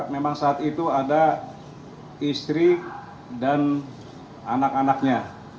memang saat itu ada istri dan anak anaknya